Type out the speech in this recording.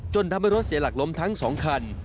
ทำให้รถเสียหลักล้มทั้ง๒คัน